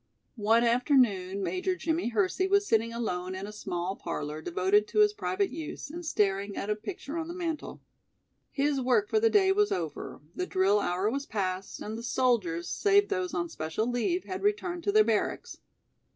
One afternoon Major Jimmie Hersey was sitting alone in a small parlor devoted to his private use and staring at a picture on the mantel. His work for the day was over, the drill hour was past and the soldiers, save those on special leave, had returned to their barracks.